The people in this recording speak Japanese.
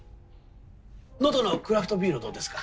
能登のクラフトビールをどうですか？